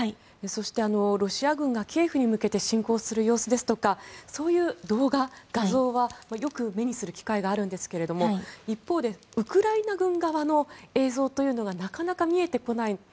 そして、ロシア軍がキエフに向けて侵攻する様子ですとか動画、画像はよく目にする機会があるんですけど一方でウクライナ軍側の映像というのはなかなか見えてこない。